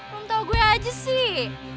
kamu tau gue aja sih